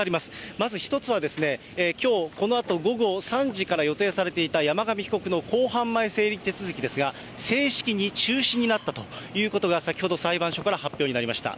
まず１つは、きょうこのあと午後３時から予定されていた山上被告の公判前整理手続きですが、正式に中止になったということが先ほど、裁判所から発表になりました。